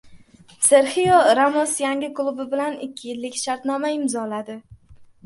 Serxio Ramos yangi klubi bilan ikki yillik shartnoma imzoladi